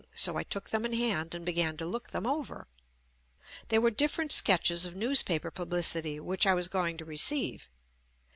So I took them in hand and began to look them over. They were different sketches of news paper publicity which I was going to receive.